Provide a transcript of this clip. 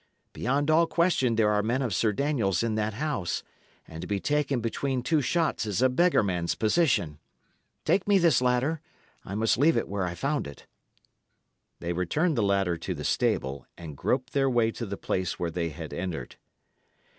Beyond all question there are men of Sir Daniel's in that house, and to be taken between two shots is a beggarman's position. Take me this ladder; I must leave it where I found it." They returned the ladder to the stable, and groped their way to the place where they had entered.